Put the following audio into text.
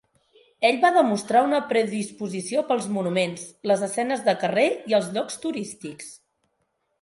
Ell va demostrar una predisposició pels monuments, les escenes de carrer i el llocs turístics.